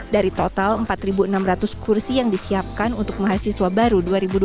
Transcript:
dari total empat enam ratus kursi yang disiapkan untuk mahasiswa baru dua ribu dua puluh tiga